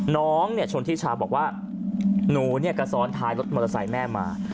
น้องชนทิชาบอกว่าหนูเนี่ยก็ซ้อนท้ายรถมอเตอร์ไซค์แม่มา